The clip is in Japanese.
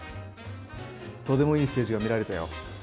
とてもいいステージが見られたよ。